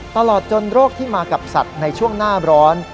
ตลอดจนโรคที่มากับสัตว์ในช่วงหน้าร้อน